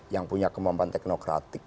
yang punya kemampuan teknokratik